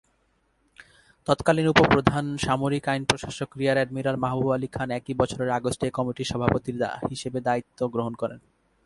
তৎকালীন উপ-প্রধান সামরিক আইন প্রশাসক রিয়ার এডমিরাল মাহবুব আলী খান একই বছরের আগস্টে এ কমিটির সভাপতি হিসেবে দায়িত্ব গ্রহণ করেন।